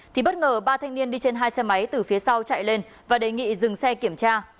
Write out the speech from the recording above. thì bất ngờ ba thanh niên đi trên hai xe máy từ phía sau chạy lên và đề nghị dừng xe kiểm tra